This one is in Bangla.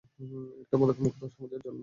একটা মাদকমুক্ত সমাজের জন্য।